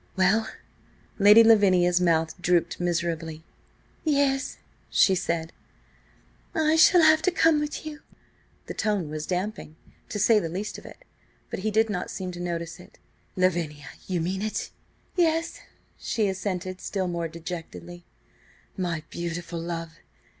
Well?" Lady Lavinia's mouth drooped miserably. "Yes," she said, "I shall have to come with you." The tone was damping, to say the least of it, but he did not seem to notice it. "Lavinia! You mean it?" "Yes," she assented, still more dejectedly. "My beautiful love!